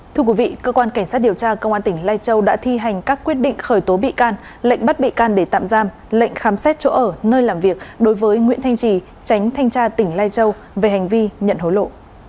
thưa quý vị cơ quan cảnh sát điều tra công an tỉnh lai châu đã thi hành các quyết định khởi tố bị can lệnh bắt bị can để tạm giam lệnh khám xét chỗ ở nơi làm việc đối với nguyễn thanh trì tránh thanh tra tỉnh lai châu về hành vi nhận hối lộ